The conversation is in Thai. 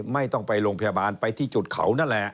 ไม่ต้องไปโรงพยาบาลไปที่จุดเขานั่นแหละ